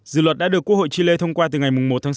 dự luật đã được quốc hội chile thông qua từ ngày một tháng sáu